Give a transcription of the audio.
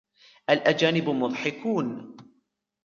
الأجانب مضحكون.